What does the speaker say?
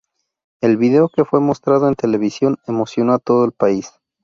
El video, que fue mostrado en televisión, emocionó a todo el país.